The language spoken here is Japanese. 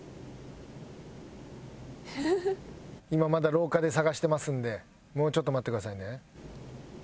今まだ廊下で捜してますんでもうちょっと待ってくださいね。